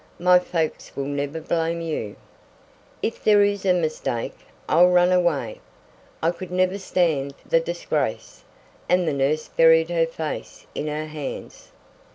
My folks will never blame you." "If there is a mistake I'll run away. I could never stand the disgrace," and the nurse buried her face in her hands.